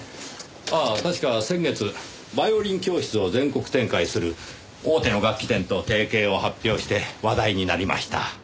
ああ確か先月バイオリン教室を全国展開する大手の楽器店と提携を発表して話題になりました。